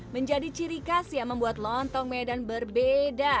menjadi ciri khas yang membuat lontong medan berbeda